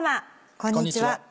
こんにちは。